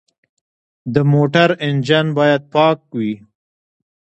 د موټر انجن باید پاک وي.